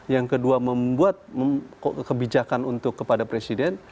yang kedua membuat kebijakan untuk kepada presiden